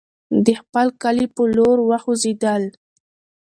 د خپل کلي پر لور وخوځېدل.